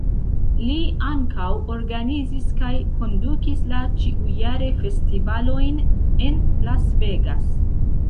Li ankaŭ organizis kaj kondukis la ĉiujare festivalojn en Las Vegas.